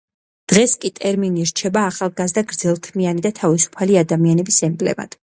დღეს კი ტერმინი რჩება ახალგაზრდა, გრძელთმიანი და თავისუფალი ადამიანების ემბლემად.